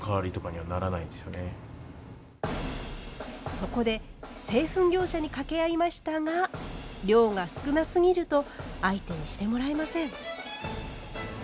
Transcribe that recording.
そこで製粉業者に掛け合いましたが量が少なすぎると相手にしてもらえません。